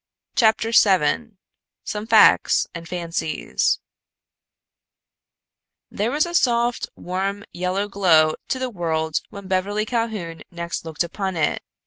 CHAPTER VII SOME FACTS AND FANCIES There was a soft, warm, yellow glow to the world when Beverly Calhoun next looked upon it.